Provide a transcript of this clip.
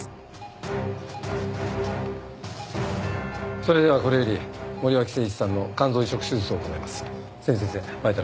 それではこれより森脇誠一さんの肝臓移植手術を行います。